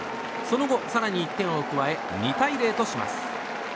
その後、更に１点を加え２対０とします。